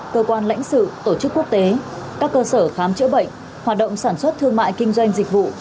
cơ quan lãnh sự tổ chức quốc tế các cơ sở khám chữa bệnh hoạt động sản xuất thương mại kinh doanh dịch vụ